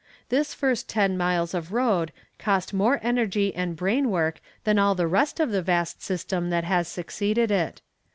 This first ten miles of road cost more energy and brain work than all the rest of the vast system that has succeeded it.